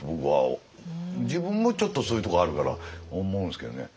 自分もちょっとそういうところあるから思うんですけどね。